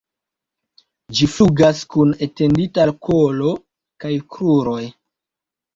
Ĝi flugas kun etendita kolo kaj kruroj.